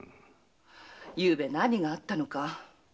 ゆうべ何があったのか。